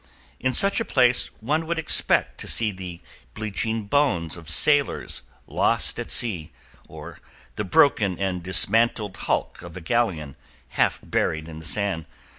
In such a place one would expect to see the bleaching bones of sailors, lost at sea, or the broken and dismantled hulk of a galleon, half buried in the sand.